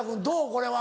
これは。